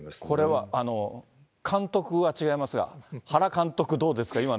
これは監督は違いますが、原監督、どうですか？